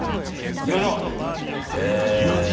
いきましょう！